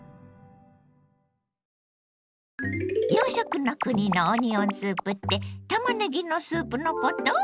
洋食の国のオニオンスープってたまねぎのスープのこと？